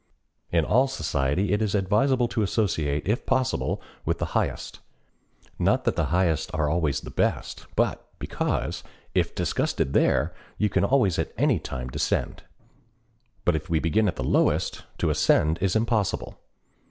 In all society it is advisable to associate, if possible, with the highest; not that the highest are always the best, but because, if disgusted there, you can at any time descend; but if we begin at the lowest, to ascend is impossible.